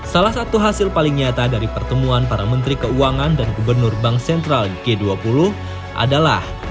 salah satu hasil paling nyata dari pertemuan para menteri keuangan dan gubernur bank sentral g dua puluh adalah